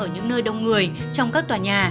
ở những nơi đông người trong các tòa nhà